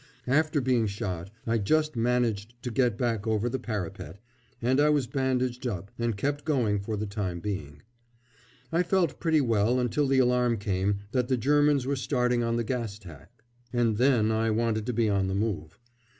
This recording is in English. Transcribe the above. After being shot I just managed to get back over the parapet, and I was bandaged up and kept going for the time being. I felt pretty well until the alarm came that the Germans were starting on the gas tack, and then I wanted to be on the move.